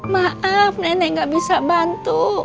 maaf nenek gak bisa bantu